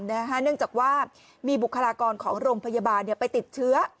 เนื่องจากว่ามีบุคลากรของโรงพยาบาลไปติดเชื้อ